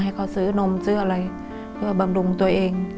ให้เขาซื้อนมซื้ออะไรเพื่อบำรุงตัวเอง